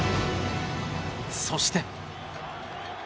そして。